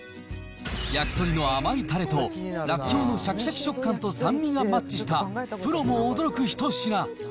焼き鳥の甘いたれとらっきょうのしゃきしゃき食感と酸味がマッチした、プロも驚く一品。